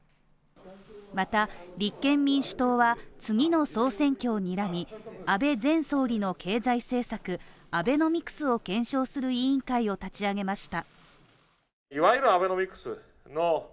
また立憲民主党は、次の総選挙をにらみ安倍前総理の経済政策・アベノミクスを検証する委員会を立ち上げました。